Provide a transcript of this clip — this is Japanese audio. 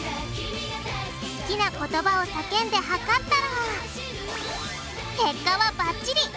好きな言葉を叫んで測ったら結果はばっちり。